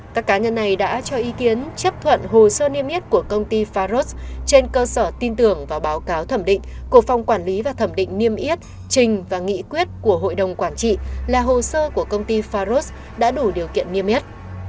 các cá nhân này đã cho ý kiến chấp thuận hồ sơ niêm yết của công ty faros trên cơ sở tin tưởng vào báo cáo thẩm định của phòng quản lý và thẩm định niêm yết trình và nghị quyết của hội đồng quản trị là hồ sơ của công ty faros đã đủ điều kiện niêm yết